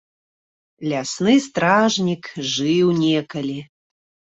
Лясны стражнік жыў некалі.